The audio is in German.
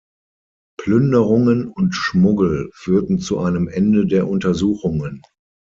Plünderungen und Schmuggel führten zu einem Ende der Untersuchungen.